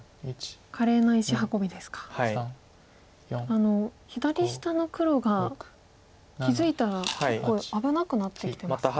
あの左下の黒が気付いたら結構危なくなってきてますか？